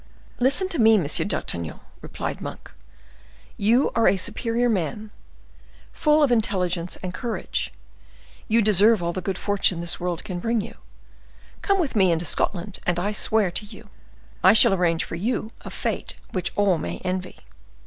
"Listen to me, Monsieur d'Artagnan," replied Monk; "you are a superior man, full of intelligence and courage; you deserve all the good fortune this world can bring you; come with me into Scotland, and, I swear to you, I shall arrange for you a fate which all may envy."